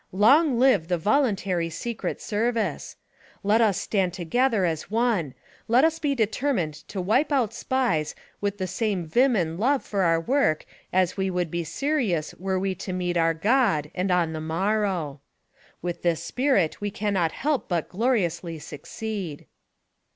LONG LIVE THE VOLUNTARY SECRET SERVICE! Let us stand together as one; let us be determined to wipe out Spies with the same vim and love for our work as we would be serious were we to meet our GOD and on the morrow. With this spirit we can not help but gloriously succeed.